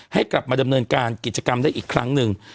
ให้กลับมาดำเนินการกิจกรรมได้อีกครั้งหนึ่ง